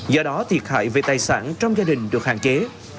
do đó thiệt hại về tài sản trong gia đình được hạn chế